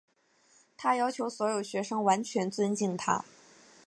她要求所有学生完全尊敬她。